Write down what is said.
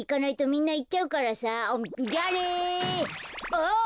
あっ！